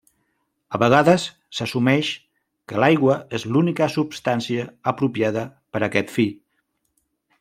A vegades s'assumeix que l'aigua és l'única substància apropiada per aquest fi.